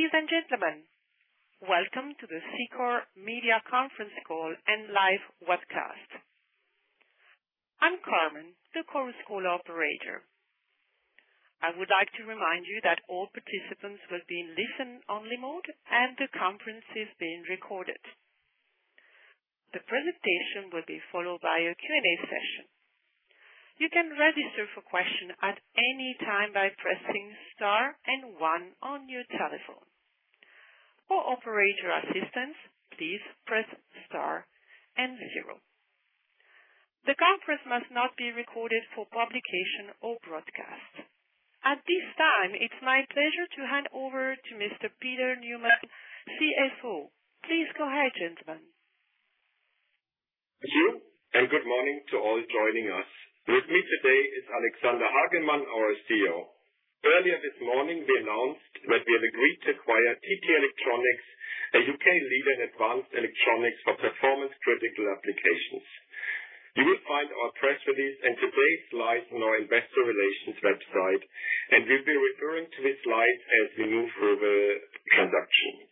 Ladies and gentlemen, welcome to the Cicor Media Conference Call and Live Webcast. I'm [Carmen] the conference call operator. I would like to remind you that all participants will be in listen-only mode and the conference is being recorded. The presentation will be followed by a Q&A session. You can register for questions at any time by pressing star and one on your telephone. For operator assistance, please press Star and 0. The conference must not be recorded for publication or broadcast. At this time, it's my pleasure to hand over to Mr. Peter Neumann, CFO. Please go ahead, gentlemen. Thank you, and good morning to all joining us. With me today is Alexander Hagemann, our CEO. Earlier this morning, we announced that we have agreed to acquire TT Electronics, a U.K. leader in advanced electronics for performance-critical applications. You will find our press release and today's slides on our investor relations website, and we'll be referring to these slides as we move through the transaction.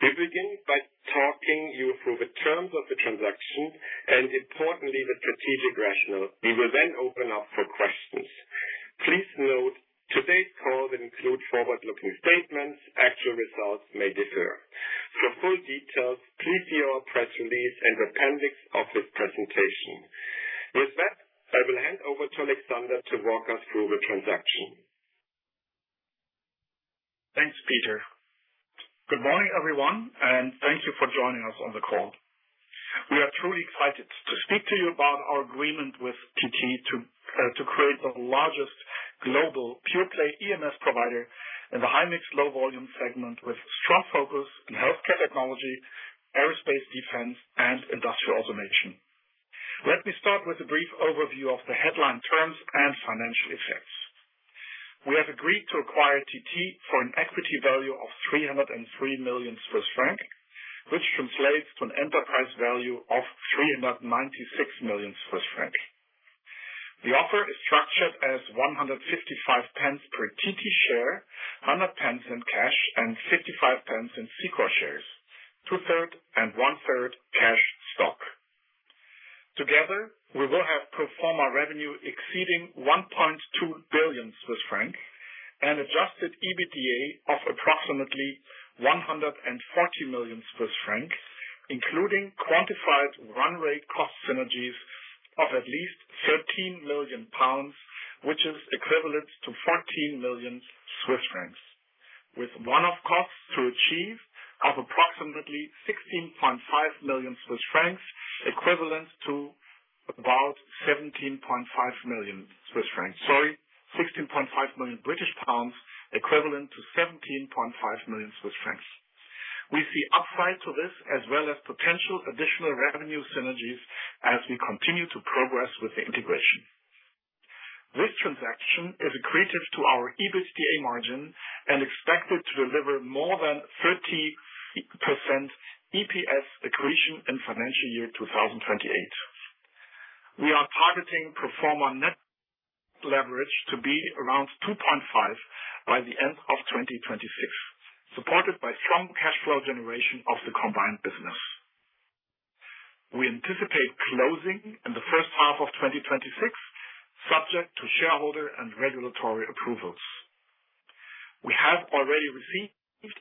We'll begin by talking you through the terms of the transaction and, importantly, the strategic rationale. We will then open up for questions. Please note today's call will include forward-looking statements. Actual results may differ. For full details, please see our press release and the appendix of this presentation. With that, I will hand over to Alexander to walk us through the transaction. Thanks, Peter. Good morning, everyone, and thank you for joining us on the call. We are truly excited to speak to you about our agreement with TT to create the largest global pure-play EMS provider in the high-mix, low-volume segment with strong focus on Healthcare Technology, Aerospace Defense, and Industrial Automation. Let me start with a brief overview of the headline terms and financial effects. We have agreed to acquire TT for an equity value of 303 million Swiss franc, which translates to an enterprise value of 396 million Swiss franc. The offer is structured as 1.55 per TT share, 1.00 in cash, and 0.55 in Cicor shares, 2/3 and 1/3 cash stock. Together, we will have pro forma revenue exceeding 1.2 billion Swiss francs and adjusted EBITDA of approximately 140 million franc, including quantified run-rate cost synergies of at least 13 million pounds, which is equivalent to 14 million Swiss francs, with one-off costs to achieve of approximately 16.5 million GBP, equivalent to about 17.5 million Swiss francs. Sorry, 16.5 million British pounds, equivalent to 17.5 million Swiss francs. We see upside to this as well as potential additional revenue synergies as we continue to progress with the integration. This transaction is equated to our EBITDA margin and expected to deliver more than 30% EPS accretion in financial year 2028. We are targeting pro-forma net leverage to be around 2.5 by the end of 2026, supported by strong cash flow generation of the combined business. We anticipate closing in the first half of 2026, subject to shareholder and regulatory approvals. We have already received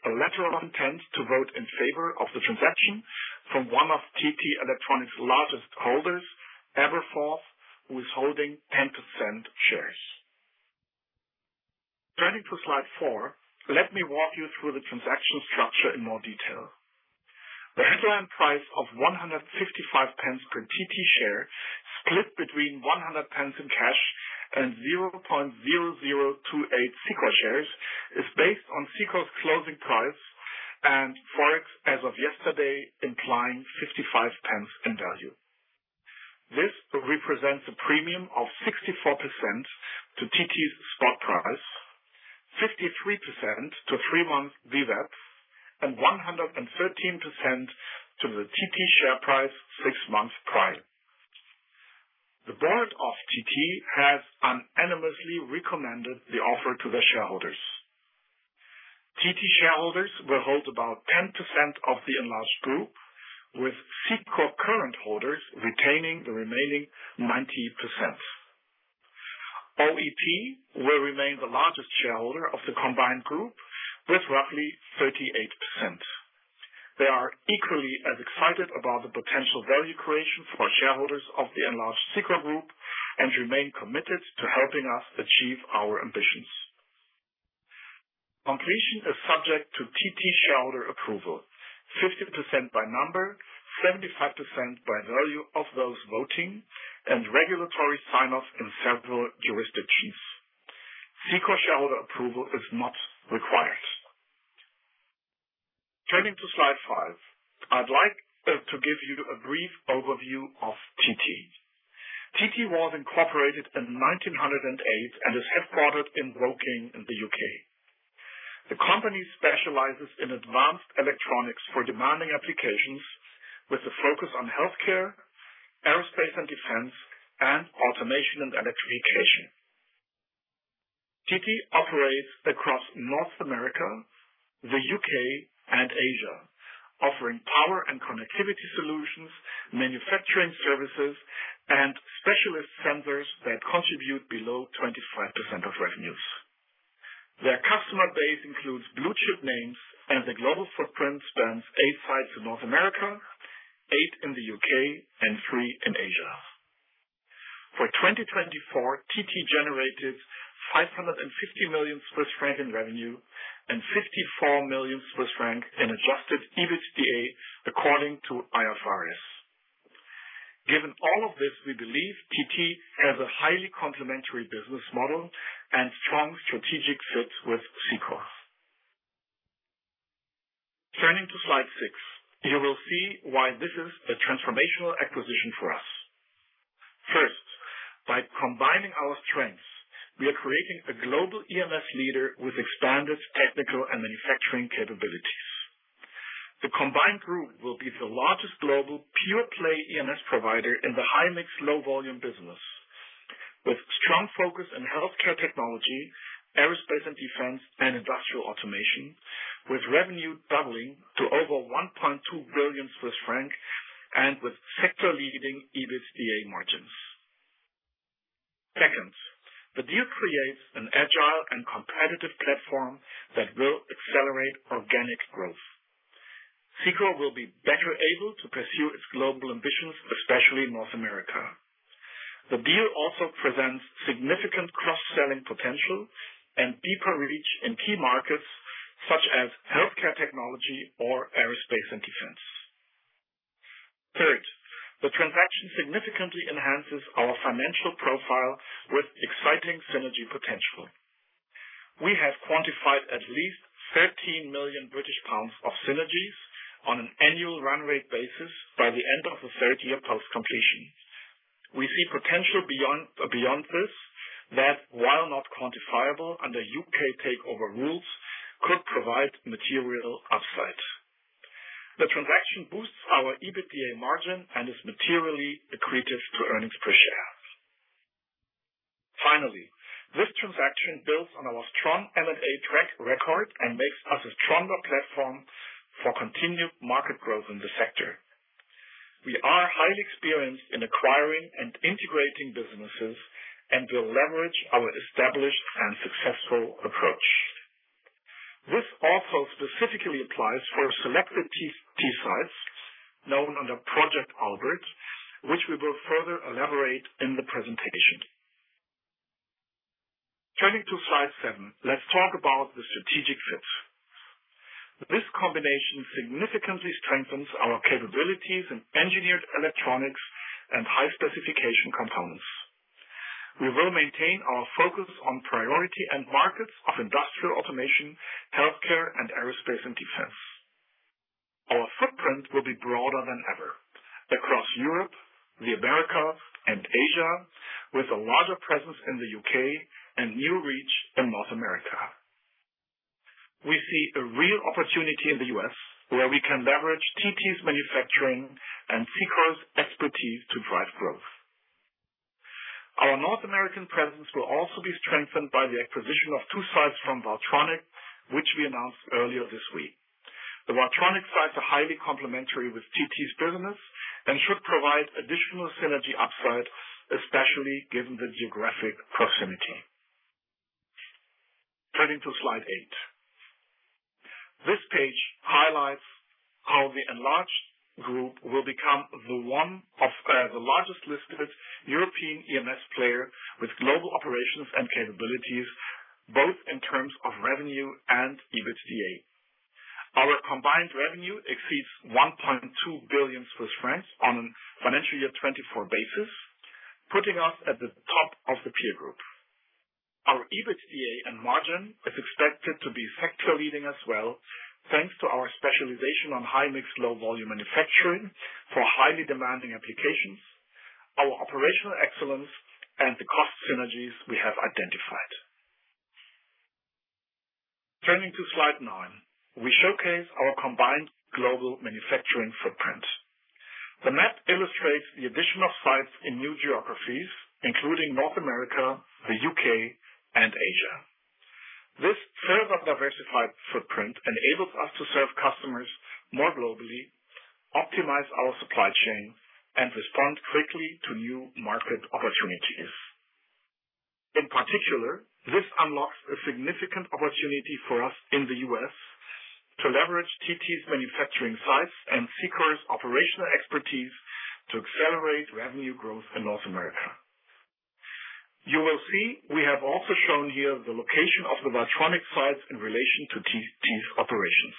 a letter of intent to vote in favor of the transaction from one of TT Electronics' largest holders, Aberforth, who is holding 10% shares. Turning to Slide 4, let me walk you through the transaction structure in more detail. The headline price of 155 pence per TT share, split between 100 pence in cash and 0.0028 Cicor shares, is based on Cicor's closing price and Forex as of yesterday implying 55 pence in value. This represents a premium of 64% to TT's spot price, 53% to three-month VWAP, and 113% to the TT share price six months prior. The board of TT has unanimously recommended the offer to the shareholders. TT shareholders will hold about 10% of the enlarged group, with Cicor current holders retaining the remaining 90%. OEP will remain the largest shareholder of the combined group, with roughly 38%. They are equally as excited about the potential value creation for shareholders of the enlarged Cicor group and remain committed to helping us achieve our ambitions. Completion is subject to TT shareholder approval, 50% by number, 75% by value of those voting, and regulatory sign-off in several jurisdictions. Cicor shareholder approval is not required. Turning to slide five, I'd like to give you a brief overview of TT. TT was incorporated in 1908 and is headquartered in Woking in the U.K. The company specializes in advanced electronics for demanding applications with a focus on healthcare, aerospace and defense, and automation and electrification. TT operates across North America, the U.K., and Asia, offering power and connectivity solutions, manufacturing services, and specialist sensors that contribute below 25% of revenues. Their customer base includes blue-chip names, and the global footprint spans eight sites in North America, eight in the U.K., and three in Asia. For 2024, TT generated 550 million Swiss franc in revenue and 54 million Swiss franc in adjusted EBITDA, according to IFRS. Given all of this, we believe TT has a highly complementary business model and strong strategic fit with Cicor. Turning to slide six, you will see why this is a transformational acquisition for us. First, by combining our strengths, we are creating a global EMS leader with expanded technical and manufacturing capabilities. The combined group will be the largest global pure-play EMS provider in the high-mix, low-volume business, with strong focus on healthcare technology, aerospace and defense, and industrial automation, with revenue doubling to over 1.2 billion Swiss francs and with sector-leading EBITDA margins. Second, the deal creates an agile and competitive platform that will accelerate organic growth. Cicor will be better able to pursue its global ambitions, especially North America. The deal also presents significant cross-selling potential and deeper reach in key markets such as healthcare technology or aerospace and defense. Third, the transaction significantly enhances our financial profile with exciting synergy potential. We have quantified at least 13 million British pounds of synergies on an annual run-rate basis by the end of the third year post-completion. We see potential beyond this that, while not quantifiable under U.K. takeover rules, could provide material upside. The transaction boosts our EBITDA margin and is materially accretive to earnings per share. Finally, this transaction builds on our strong M&A track record and makes us a stronger platform for continued market growth in the sector. We are highly experienced in acquiring and integrating businesses and will leverage our established and successful approach. This also specifically applies for selected TT-sites known under Project Albert, which we will further elaborate in the presentation. Turning to slide seven, let's talk about the strategic fit. This combination significantly strengthens our capabilities in engineered electronics and high-specification components. We will maintain our focus on priority end markets of industrial automation, healthcare, and aerospace and defense. Our footprint will be broader than ever across Europe, the Americas, and Asia, with a larger presence in the U.K. and new reach in North America. We see a real opportunity in the U.S. where we can leverage TT's manufacturing and Cicor's expertise to drive growth. Our North American presence will also be strengthened by the acquisition of two sites from Valtronic, which we announced earlier this week. The Valtronic sites are highly complementary with TT's business and should provide additional synergy upside, especially given the geographic proximity. Turning to slide eight, this page highlights how the enlarged group will become one of the largest listed European EMS player with global operations and capabilities, both in terms of revenue and EBITDA. Our combined revenue exceeds 1.2 billion Swiss francs on a financial year 2024 basis, putting us at the top of the peer group. Our EBITDA and margin are expected to be sector-leading as well, thanks to our specialization on high-mix, low-volume manufacturing for highly demanding applications, our operational excellence, and the cost synergies we have identified. Turning to slide nine, we showcase our combined global manufacturing footprint. The map illustrates the addition of sites in new geographies, including North America, the U.K., and Asia. This further diversified footprint enables us to serve customers more globally, optimize our supply chain, and respond quickly to new market opportunities. In particular, this unlocks a significant opportunity for us in the U.S. to leverage TT's manufacturing sites and Cicor's operational expertise to accelerate revenue growth in North America. You will see we have also shown here the location of the Valtronic sites in relation to TT's operations.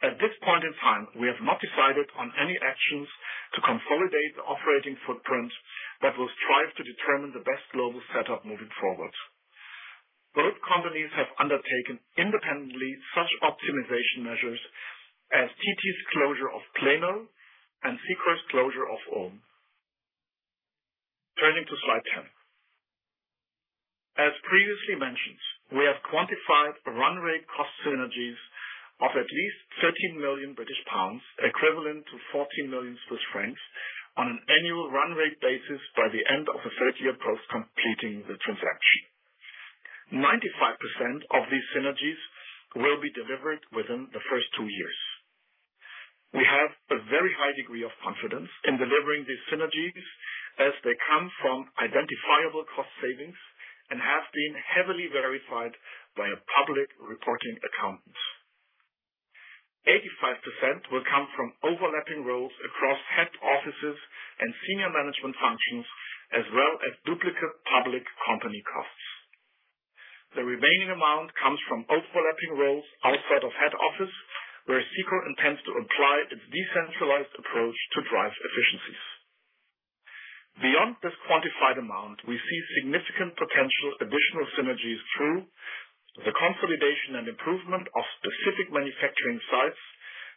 At this point in time, we have not decided on any actions to consolidate the operating footprint that will strive to determine the best global setup moving forward. Both companies have undertaken independently such optimization measures as TT's closure of Plano and Cicor's closure of Ulm. Turning to Slide 10. As previously mentioned, we have quantified run-rate cost synergies of at least 13 million British pounds, equivalent to 14 million Swiss francs, on an annual run-rate basis by the end of the third year post-completion of the transaction. 95% of these synergies will be delivered within the first two years. We have a very high degree of confidence in delivering these synergies as they come from identifiable cost savings and have been heavily verified by a public reporting accountant. 85% will come from overlapping roles across head offices and senior management functions, as well as duplicate public company costs. The remaining amount comes from overlapping roles outside of head office, where Cicor intends to apply its decentralized approach to drive efficiencies. Beyond this quantified amount, we see significant potential additional synergies through the consolidation and improvement of specific manufacturing sites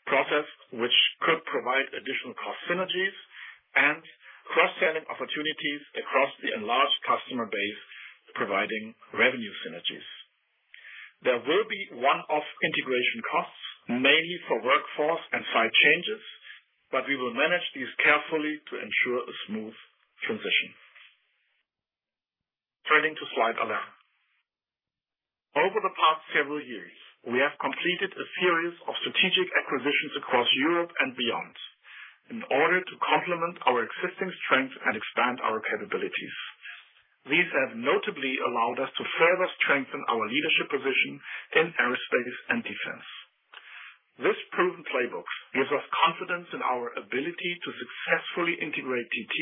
processed, which could provide additional cost synergies and cross-selling opportunities across the enlarged customer base, providing revenue synergies. There will be one-off integration costs, mainly for workforce and site changes, but we will manage these carefully to ensure a smooth transition. Turning to Slide 11. Over the past several years, we have completed a series of strategic acquisitions across Europe and beyond in order to complement our existing strengths and expand our capabilities. These have notably allowed us to further strengthen our leadership position in aerospace and defense. This proven playbook gives us confidence in our ability to successfully integrate TT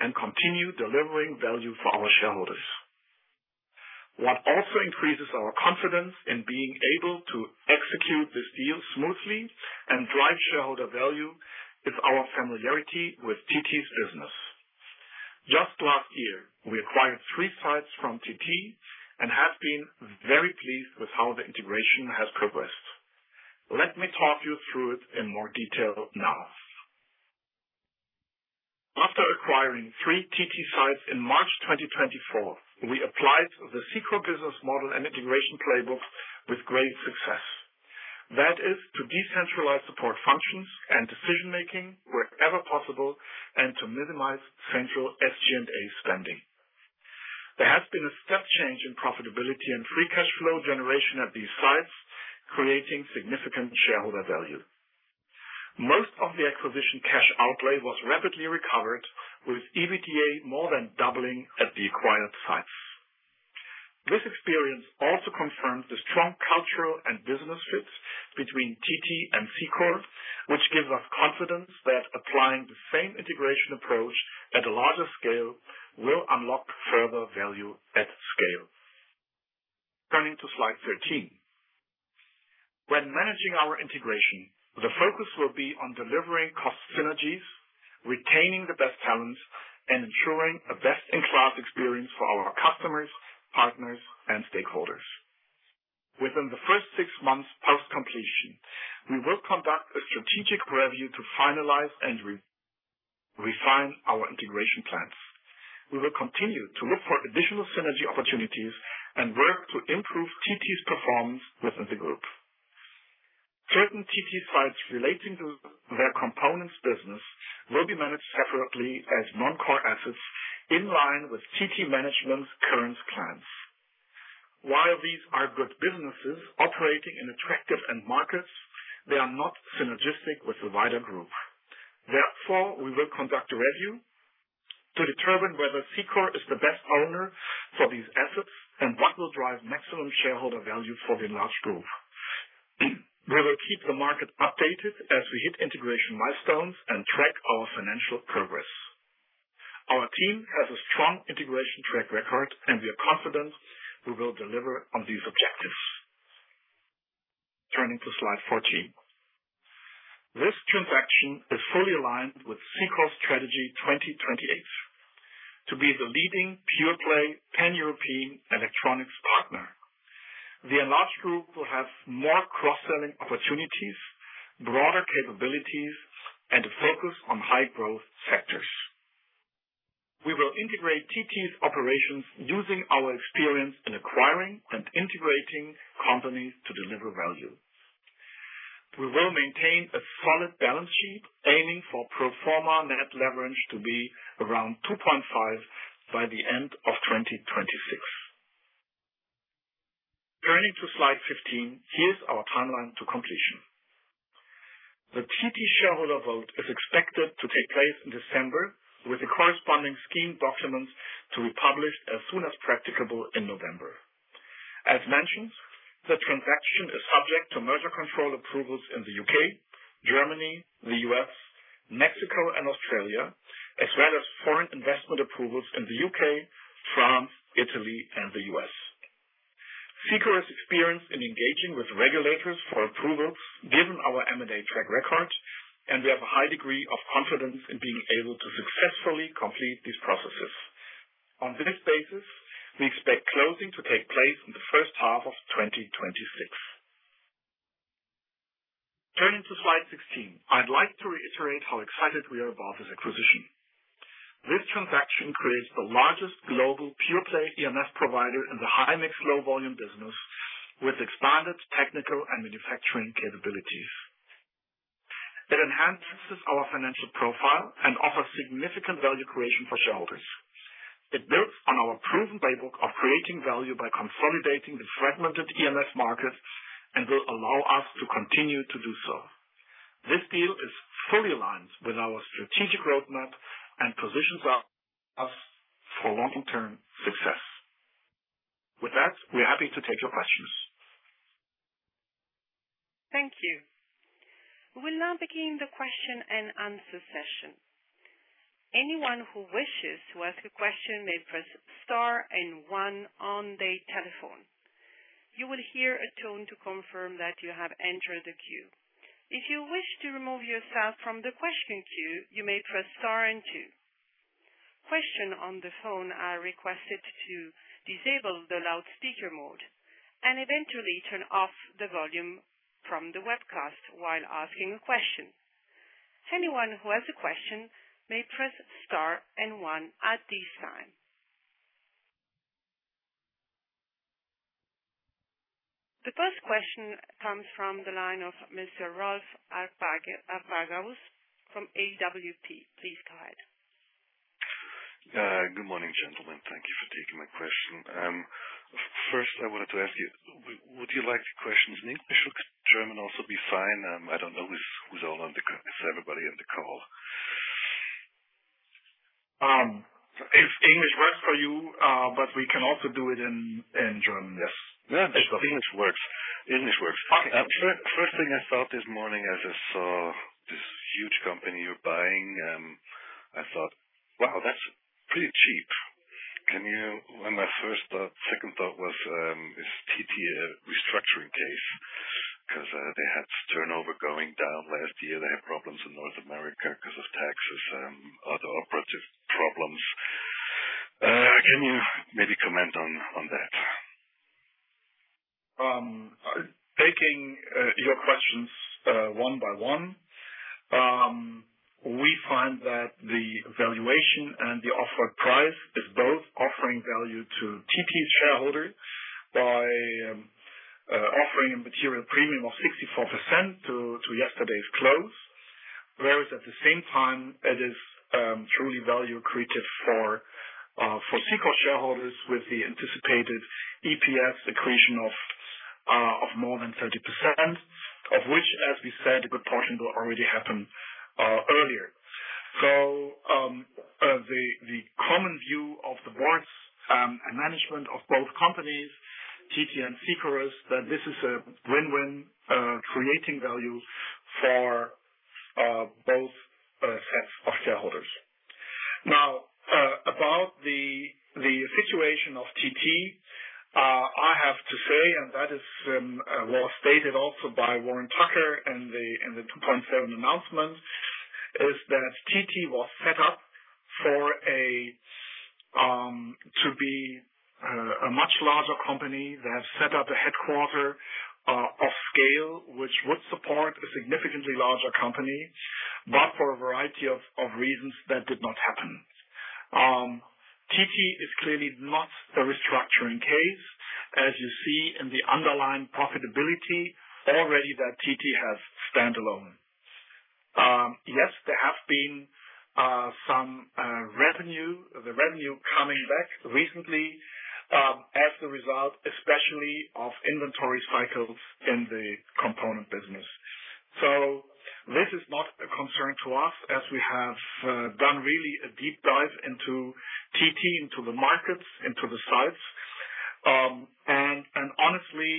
and continue delivering value for our shareholders. What also increases our confidence in being able to execute this deal smoothly and drive shareholder value is our familiarity with TT's business. Just last year, we acquired three sites from TT and have been very pleased with how the integration has progressed. Let me talk you through it in more detail now. After acquiring three TT sites in March 2024, we applied the Cicor business model and integration playbook with great success. That is to decentralize support functions and decision-making wherever possible and to minimize central SG&A spending. There has been a step change in profitability and free cash flow generation at these sites, creating significant shareholder value. Most of the acquisition cash outlay was rapidly recovered, with EBITDA more than doubling at the acquired sites. This experience also confirmed the strong cultural and business fit between TT and Cicor, which gives us confidence that applying the same integration approach at a larger scale will unlock further value at scale. Turning to Slide 13. When managing our integration, the focus will be on delivering cost synergies, retaining the best talent, and ensuring a best-in-class experience for our customers, partners, and stakeholders. Within the first six months post-completion, we will conduct a strategic review to finalize and refine our integration plans. We will continue to look for additional synergy opportunities and work to improve TT's performance within the group. Certain TT sites relating to their components' business will be managed separately as non-core assets in line with TT management's current plans. While these are good businesses operating in attractive end markets, they are not synergistic with the wider group. Therefore, we will conduct a review to determine whether Cicor is the best owner for these assets and what will drive maximum shareholder value for the enlarged group. We will keep the market updated as we hit integration milestones and track our financial progress. Our team has a strong integration track record, and we are confident we will deliver on these objectives. Turning to Slide 14. This transaction is fully aligned with Cicor's strategy 2028 to be the leading pure-play pan-European electronics partner. The enlarged group will have more cross-selling opportunities, broader capabilities, and a focus on high-growth sectors. We will integrate TT's operations using our experience in acquiring and integrating companies to deliver value. We will maintain a solid balance sheet, aiming for pro forma net leverage to be around 2.5 by the end of 2026. Turning to Slide 15, here's our timeline to completion. The TT shareholder vote is expected to take place in December, with the corresponding scheme documents to be published as soon as practicable in November. As mentioned, the transaction is subject to merger control approvals in the U.K., Germany, the U.S., Mexico, and Australia, as well as foreign investment approvals in the U.K., France, Italy, and the U.S. Cicor has experience in engaging with regulators for approval given our M&A track record, and we have a high degree of confidence in being able to successfully complete these processes. On this basis, we expect closing to take place in the first half of 2026. Turning to Slide 16, I'd like to reiterate how excited we are about this acquisition. This transaction creates the largest global pure-play EMS provider in the high-mix, low-volume business, with its standard technical and manufacturing capabilities. It enhances our financial profile and offers significant value creation for shareholders. It builds on our proven playbook of creating value by consolidating the fragmented EMS market and will allow us to continue to do so. This deal is fully aligned with our strategic roadmap and positions us for long-term success. With that, we're happy to take your questions. Thank you. We will now begin the question and answer session. Anyone who wishes to ask a question may press star and one on the telephone. You will hear a tone to confirm that you have entered the queue. If you wish to remove yourself from the question queue, you may press star and two. Questions on the phone are requested to disable the loudspeaker mode and eventually turn off the volume from the webcast while asking a question. Anyone who has a question may press star and one at this time. The first question comes from the line of Mr. Rolf Arpagaus from AWP. Please go ahead. Good morning, gentlemen. Thank you for taking my question. First, I wanted to ask you, would you like questions in English or German? Also be fine? I don't know who's all on the line. Is everybody on the call? If English works for you, but we can also do it in German, yes. Yeah, English works. English works. First thing I thought this morning as I saw this huge company you're buying, I thought, wow, that's pretty cheap. When my first thought, second thought was, is TT a restructuring case? Because they had turnover going down last year. They had problems in North America because of taxes and other operational problems. Can you maybe comment on that? Taking your questions one by one, we find that the valuation and the offered price is both offering value to TT's shareholder by offering a material premium of 64% to yesterday's close. Whereas at the same time, it is truly value creative for Cicor shareholders with the anticipated EPS accretion of more than 30%, of which, as we said, a good portion will already happen earlier. So the common view of the boards and management of both companies, TT and Cicor, is that this is a win-win creating value for both sets of shareholders. Now, about the situation of TT, I have to say, and that is what was stated also by Warren Tucker in the 2.7 Announcement, is that TT was set up to be a much larger company. They have set up a headquarters of scale, which would support a significantly larger company, but for a variety of reasons that did not happen. TT is clearly not a restructuring case, as you see in the underlying profitability already that TT has standalone. Yes, there have been some revenue, the revenue coming back recently as the result, especially of inventory cycles in the component business. So this is not a concern to us, as we have done really a deep dive into TT, into the markets, into the sites, and honestly,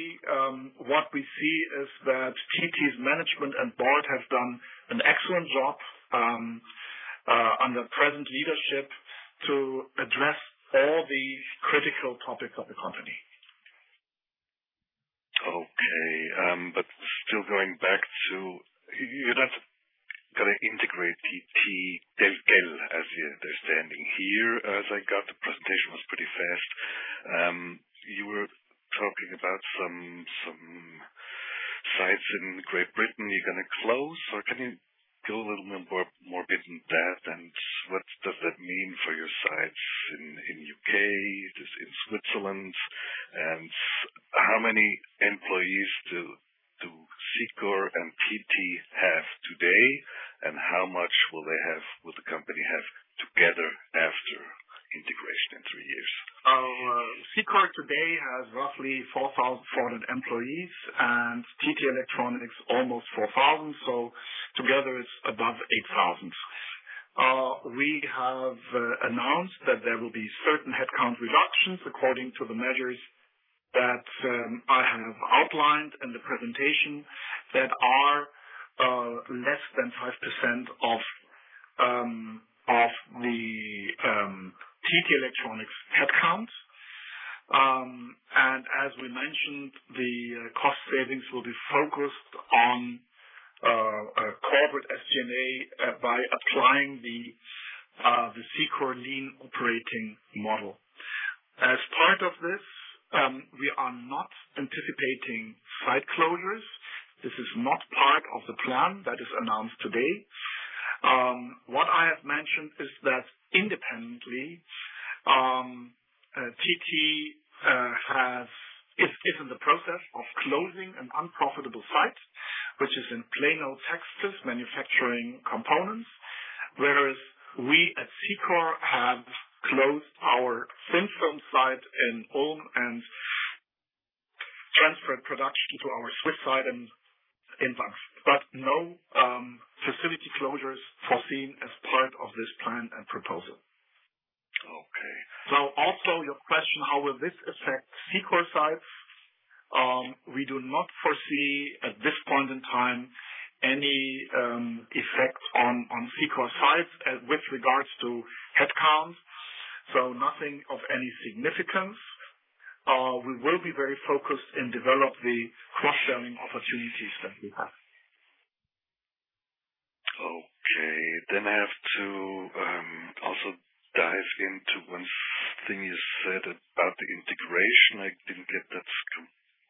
what we see is that TT's management and board have done an excellent job under present leadership to address all the critical topics of the company. Okay, but still going back to, you're not going to integrate TT, Delfil, as they're standing here. As I got the presentation, it was pretty fast. You were talking about some sites in Great Britain you're going to close. Can you go a little bit more in depth? What does that mean for your sites in the UK, in Switzerland? And how many employees do Cicor and TT have today? How much will they have, will the company have together after integration in three years? Cicor today has roughly 4,400 employees, and TT Electronics almost 4,000. So together, it's above 8,000. We have announced that there will be certain headcount reductions according to the measures that I have outlined in the presentation that are less than 5% of the TT Electronics headcount. As we mentioned, the cost savings will be focused on corporate SG&A by applying the Cicor lean operating model. As part of this, we are not anticipating site closures. This is not part of the plan that is announced today. What I have mentioned is that independently, TT is in the process of closing an unprofitable site, which is in Plano, Texas, manufacturing components. Whereas we at Cicor have closed our thin film site in Ulm and transferred production to our Swiss site in Zug. No facility closures foreseen as part of this plan and proposal. So also your question, how will this affect Cicor sites? We do not foresee at this point in time any effect on Cicor sites with regards to headcount. So nothing of any significance. We will be very focused in developing the cross-selling opportunities that we have. Okay. Then I have to also dive into one thing you said about the integration. I didn't get that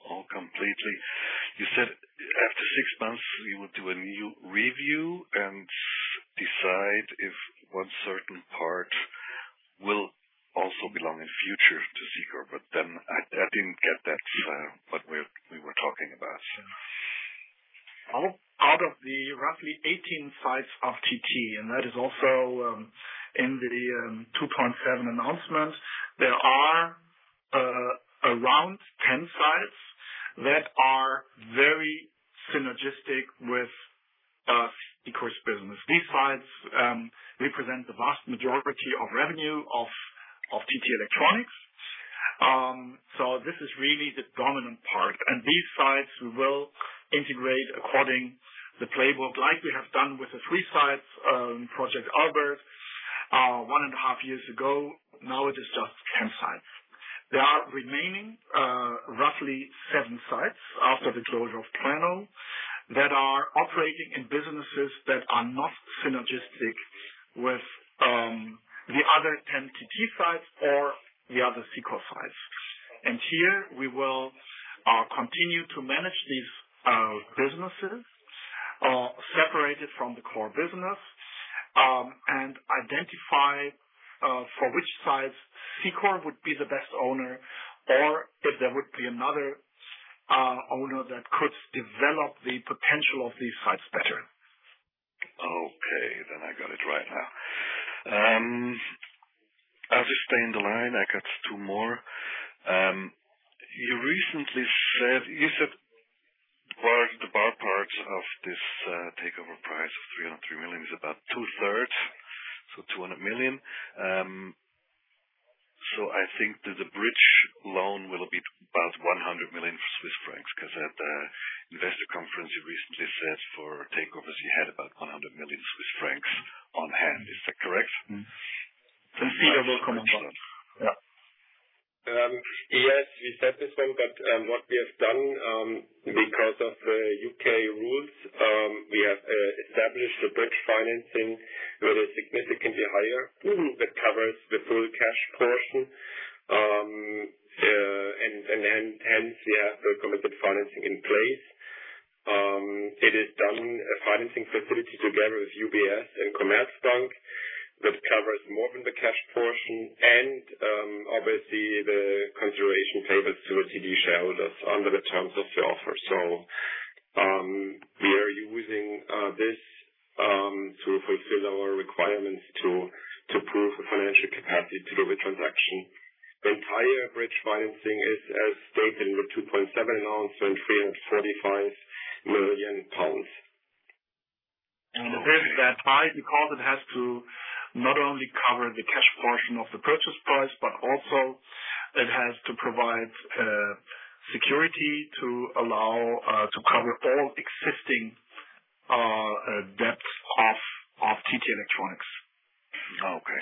all completely. You said after six months, you will do a new review and decide if one certain part will also belong in the future to Cicor. Then I didn't get that, what we were talking about. Out of the roughly 18 sites of TT, and that is also in the 2.7 Announcement, there are around 10 sites that are very synergistic with Cicor's business. These sites represent the vast majority of revenue of TT Electronics. So this is really the dominant part. These sites will integrate according to the playbook like we have done with the three sites in Project Albert one and a half years ago. Now it is just 10 sites. There are remaining roughly seven sites after the closure of Plano that are operating in businesses that are not synergistic with the other 10 TT sites or the other Cicor sites. Here we will continue to manage these businesses separated from the core business and identify for which sites Cicor would be the best owner or if there would be another owner that could develop the potential of these sites better. Okay, then I got it right now. As we stay in the line, I got two more. You recently said, you said the cash parts of this takeover price of 303 million is about two-thirds, so 200 million. So I think that the bridge loan will be about 100 million Swiss francs because at the investor conference, you recently said for takeovers, you had about 100 million Swiss francs on hand. Is that correct? OEP will come in front. Yes, we've established them, but what we have done because of the UK rules, we have established the bridge financing that is significantly higher. It covers the full cash portion. Hence, we have the competitive financing in place. It is debt financing facility together with UBS and Commerzbank, which covers more than the cash portion and obviously the consideration to the TT shareholders under the terms of the offer. We are using this to fulfill our requirements to prove the financial capacity to do the transaction. The entire bridge financing is, as stated in the 2.7 Announcement, 335 million pounds. Then that bridge, because it has to not only cover the cash portion of the purchase price, but also it has to provide security to allow to cover all existing debts of TT Electronics. Okay.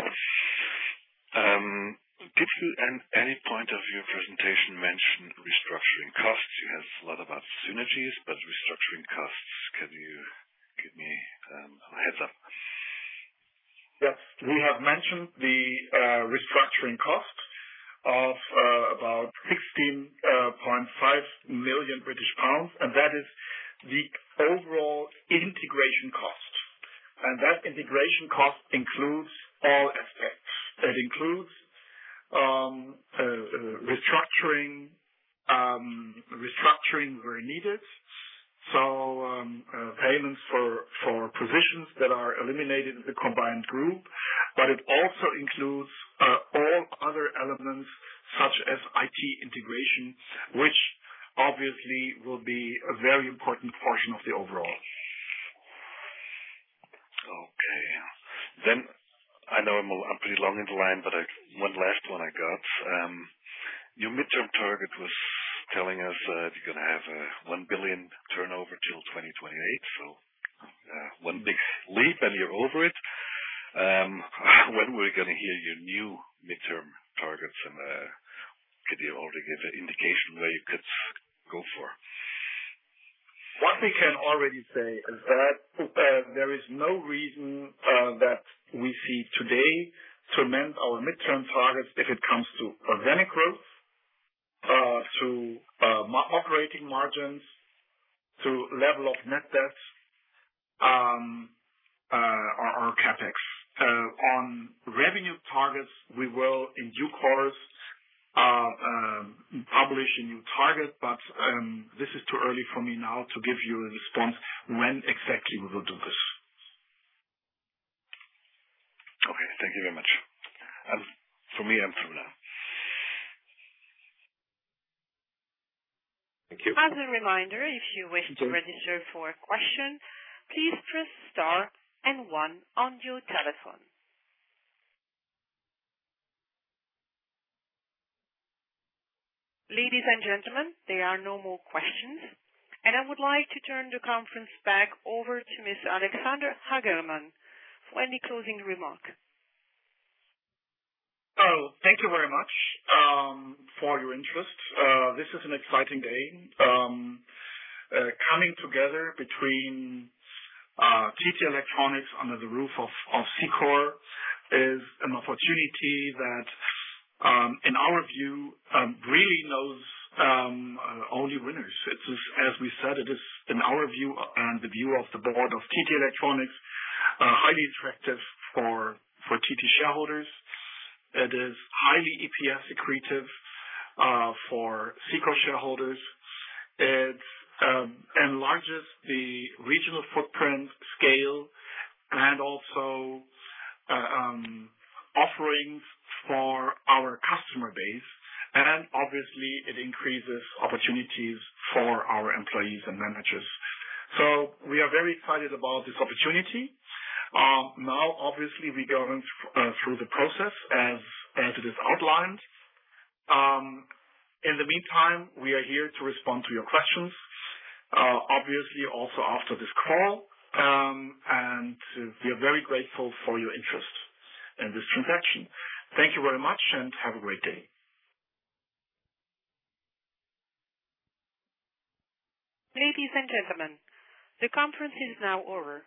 Did you at any point of your presentation mention restructuring costs? You have a lot about synergies, but restructuring costs, can you give me a heads-up? Yes, we have mentioned the restructuring cost of about 15.5 million British pounds, and that is the overall integration cost. That integration cost includes all aspects. It includes restructuring where needed, so payments for positions that are eliminated in the combined group, but it also includes all other elements such as IT integration, which obviously will be a very important portion of the overall. Okay. Then I know I'm pretty long in the line, but one last one I got. Your midterm target was telling us that you're going to have one billion turnover till 2028, so one big leap and you're over it. When we're going to hear your new midterm targets and if you already gave an indication where you could go for? What we can already say is that there is no reason that we see today to change our midterm targets if it comes to revenue growth, to operating margins, to level of net debt, or CapEx. On revenue targets, we will in due course publish a new target, but this is too early for me now to give you a response when exactly we will do this. Okay, thank you very much. For me, I'm through now. Thank you. As a reminder, if you wish to register for a question, please press star and one on your telephone. Ladies and gentlemen, there are no more questions. I would like to turn the conference back over to Mr. Alexander Hagemann for any closing remark. Thank you very much for your interest. This is an exciting day. Coming together between TT Electronics under the roof of Cicor is an opportunity that, in our view, really knows no losers. As we said, it is, in our view, and the view of the board of TT Electronics, highly attractive for TT shareholders. It is highly EPS accretive for Cicor shareholders. It enlarges the regional footprint scale and also offerings for our customer base. Obviously, it increases opportunities for our employees and managers. So we are very excited about this opportunity. Now, obviously, we go through the process as it is outlined. In the meantime, we are here to respond to your questions, obviously, also after this call. We are very grateful for your interest in this transaction. Thank you very much and have a great day. Ladies and gentlemen, the conference is now over.